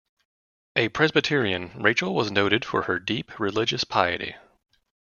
A Presbyterian, Rachel was noted for her deep religious piety.